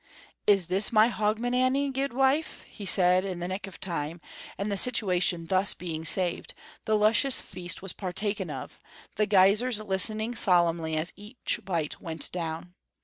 "Is this my Hogmanay, guidwife?" he asked in the nick of time, and the situation thus being saved, the luscious feast was partaken of, the guisers listening solemnly as each bite went down.